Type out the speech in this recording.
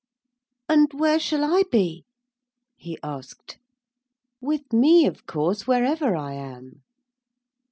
'And where shall I be?' he asked. 'With me, of course, wherever I am.'